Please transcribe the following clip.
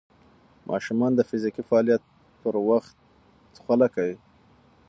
ماشومان د فزیکي فعالیت پر وخت خوله کوي.